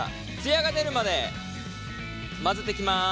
艶が出るまで混ぜていきます。